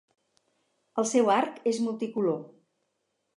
El seu arc és multicolor.